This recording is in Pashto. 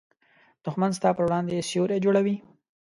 دښمن ستا پر وړاندې سیوری جوړوي